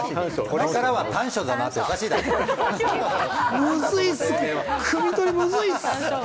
これからは短所だなって、ムズいっす！